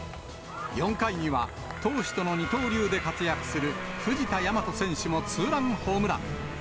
４回には投手との二刀流で活躍する藤田倭選手もツーランホームラン。